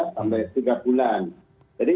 sampai tiga bulan jadi